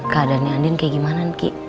keadaannya andin kayak gimana gigi